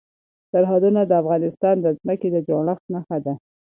سرحدونه د افغانستان د ځمکې د جوړښت نښه ده.